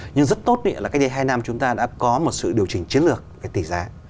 nhưng rất tốt là cách đây hai năm chúng ta đã có một sự điều chỉnh chiến lược về tỷ giá